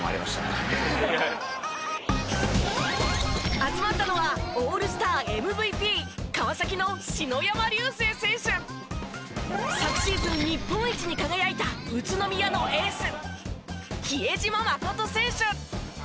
集まったのはオールスターＭＶＰ昨シーズン日本一に輝いた宇都宮のエース比江島慎選手。